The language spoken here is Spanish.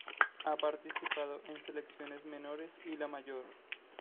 Ha participado en Selecciones Menores y la Mayor.